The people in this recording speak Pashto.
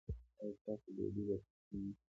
ایا ستاسو ډوډۍ به پخه نه وي؟